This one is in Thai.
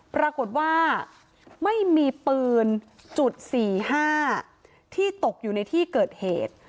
ปรากฏว่าไม่มีปืนจุด๔๕ที่ตกอยู่ในที่เกิดเหตุ